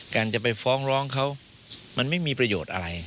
การจะไปฟ้องร้องเขามันไม่มีประโยชน์อะไร